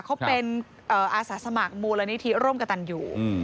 เขาเป็นอาสาสมัครมูลนิธิร่วมกับตันอยู่